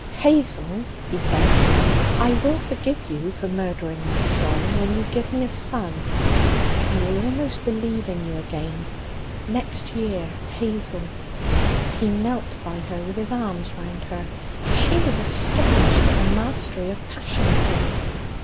'Hazel,' he said, 'I will forgive you for murdering my soul when you give me a son, I will almost believe in you again, next year Hazel ' He knelt by her with his arms round her. She was astonished at the mastery of passion in him.